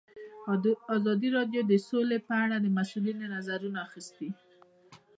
ازادي راډیو د سوله په اړه د مسؤلینو نظرونه اخیستي.